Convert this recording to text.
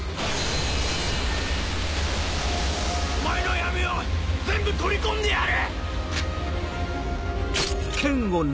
お前の闇を全部取り込んでやる！